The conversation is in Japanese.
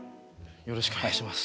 よろしくお願いします。